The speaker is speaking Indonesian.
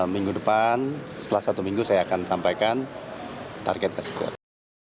minggu depan setelah satu minggu saya akan sampaikan target kami kuat